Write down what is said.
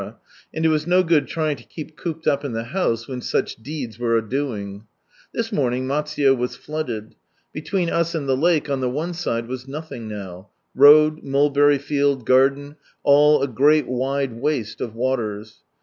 and it was no good trying to keep cooped up in the house when such deeds were adoing. This morning Matsuye was flooded. Between us and the lake, on the one side, was nothing now : road, mulberry field, garden, all a great wide waste of waters.